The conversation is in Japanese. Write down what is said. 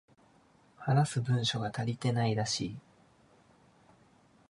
話す文章が足りていないらしい